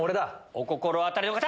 お心当たりの方！